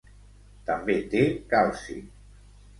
També té calci.